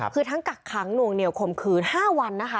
คือทั้งกักค้างลวงเหนียวขมขืน๕วันนะฮะ